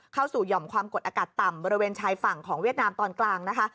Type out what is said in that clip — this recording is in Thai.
เข้าสู่หย่อมความกดอากาศต่ำบริเวณชายฝั่งของเวียดนามตอนกลางนะคะ